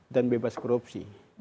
dan bebas korupsi